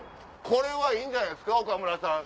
これはいいんじゃないですか岡村さん。